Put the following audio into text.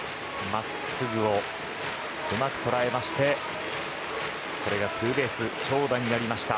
真っすぐをうまく捉えましてこれがツーベース長打になりました。